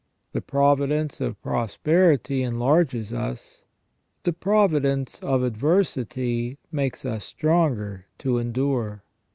The providence of prosperity enlarges us ; the providence of adversity makes us stronger to endure.